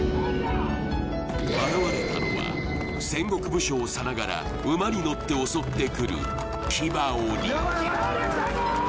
現れたのは戦国武将さながら馬に乗って襲ってくる騎馬鬼騎馬鬼が来たぞー！